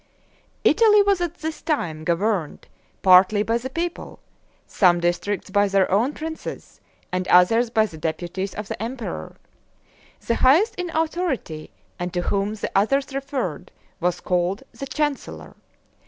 Italy was at this time governed partly by the people, some districts by their own princes, and others by the deputies of the emperor. The highest in authority, and to whom the others referred, was called the chancellor.